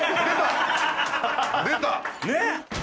出た！